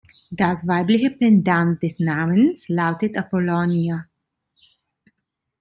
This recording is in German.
Das weibliche Pendant des Namens lautet Apollonia.